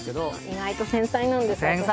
意外と繊細なんです私。